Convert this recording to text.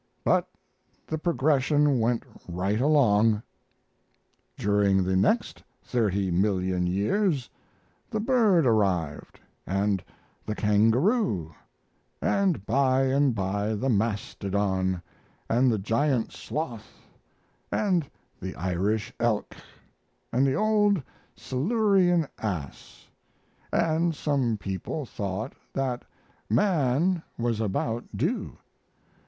But the progression went right along. "During the next thirty million years the bird arrived, and the kangaroo, and by and by the mastodon, and the giant sloth, and the Irish elk, and the old Silurian ass, and some people thought that man was about due.